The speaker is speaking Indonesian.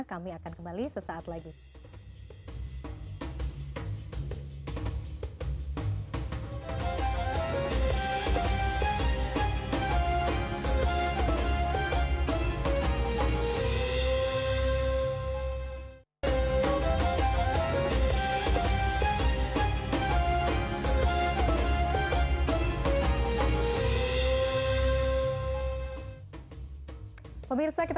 kami akan kembali sesaat lagi